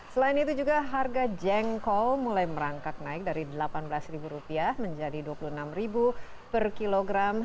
selain itu juga harga jengkol mulai merangkak naik dari rp delapan belas menjadi rp dua puluh enam per kilogram